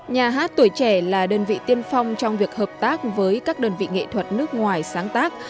nhà hát tuổi trẻ là đơn vị tiên phong trong việc hợp tác với các đơn vị nghệ thuật nước ngoài sáng tác